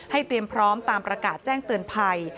เตรียมพร้อมตามประกาศแจ้งเตือนภัย